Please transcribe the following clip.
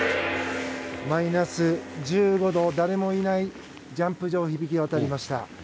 マイナス１５度誰もいないジャンプ台に響きました。